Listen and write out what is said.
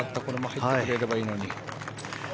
入ってくれればいいのに。